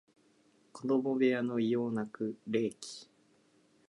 子供部屋の異様な冷気